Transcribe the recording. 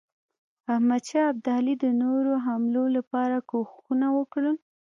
احمدشاه ابدالي د نورو حملو لپاره کوښښونه وکړل.